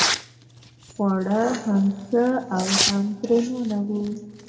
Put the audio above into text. خواړه هم ښه او هم پرېمانه وو.